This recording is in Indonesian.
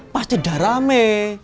pasti udah rame